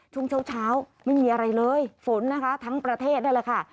ช่วงเช้าไม่มีอะไรเลยฝนนะคะทั้งประเทศนั่นแหละค่ะ